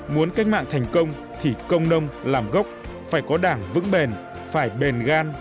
muốn cách mạng thành công thì công nông làm gốc phải có đảng vững bền phải bền gan